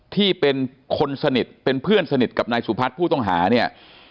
ที่เป็นคนสนิทเป็นเพื่อนสนิทกับนายสุพัฒน์ผู้ต้องหาเนี่ย